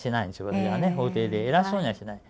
私はね法廷で偉そうにはしない。